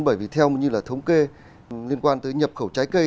bởi vì theo như là thống kê liên quan tới nhập khẩu trái cây